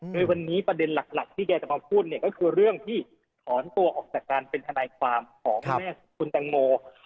โดยวันนี้ประเด็นหลักที่แกจะมาพูดเนี่ยก็คือเรื่องที่ถอนตัวออกจากการเป็นทนายความของแม่คุณแตงโม